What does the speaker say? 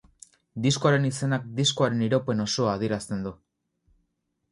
Diskoaren izenak diskoaren iraupen osoa adierazten du.